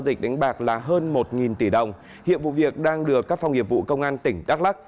dịch đánh bạc là hơn một tỷ đồng hiện vụ việc đang được các phòng nghiệp vụ công an tỉnh đắk lắc